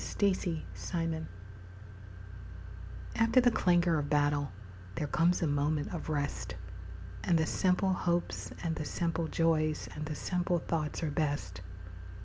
Afterglow After the clangor of battle, There comes a moment of rest, And the simple hopes and the simple joys And the simple thoughts are best.